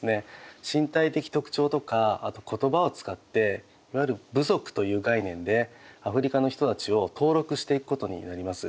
身体的特徴とかあと言葉を使っていわゆる「部族」という概念でアフリカの人たちを登録していくことになります。